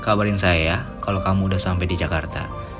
kabarin saya kalau kamu udah sampai di jakarta